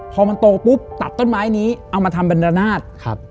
พอมันโตปุ๊บตัดต้นไม้นี้เอามาทำเป็นระนาดครับ